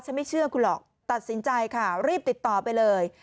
ไม่เชื่อคุณหรอกตัดสินใจค่ะรีบติดต่อไปเลย